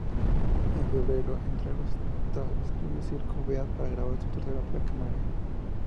En febrero entra a los estudios Circo Beat para grabar su tercer placa Marea.